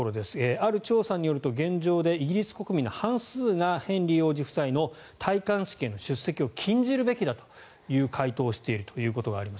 ある調査によると現状でイギリス国民の半数がヘンリー王子夫妻の戴冠式への出席を禁じるべきだという回答をしているというところがあります。